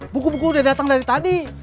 buku buku udah datang dari tadi